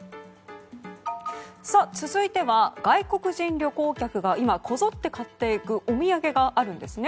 続いては、外国人旅行客が今、こぞって買っていくお土産があるんですね。